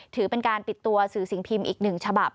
ถือเป็นการปิดตัวสื่อสิ่งพิมพ์อีกหนึ่งฉบับ